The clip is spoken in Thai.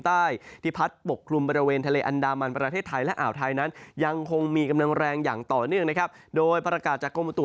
ใต้ที่พัดปกคลุมบริเวณทะเลอันดามันประเทศไทยและอ่าวไทยนั้นยังคงมีกำลังแรงอย่างต่อเนื่องนะครับโดยประกาศจากกรมประตุ